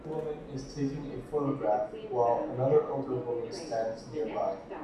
An older woman is taking a photograph while another older woman stands nearby.